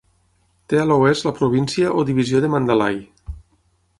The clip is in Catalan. Té a l'oest la província o divisió de Mandalay.